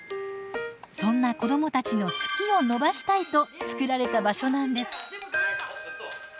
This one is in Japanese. そんな子どもたちの「好き」を伸ばしたいと作られた場所なんです。